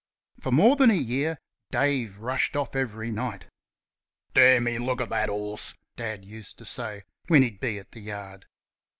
For more than a year Dave rushed off every night. "Damme! look at that horse!" Dad used to say, when he'd be at the yard.